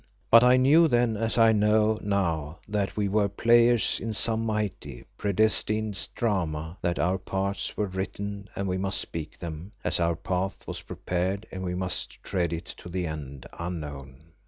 But I knew then, as I know now that we were players in some mighty, predestined drama; that our parts were written and we must speak them, as our path was prepared and we must tread it to the end unknown.